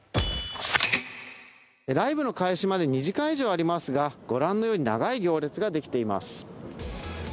ライブの開始まで２時間以上ありますがご覧のように長い行列が出来ています。